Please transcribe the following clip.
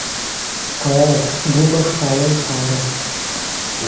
تەواو ببوومە خاوەن پارە.